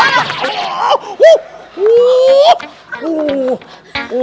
untung pakde lama di cina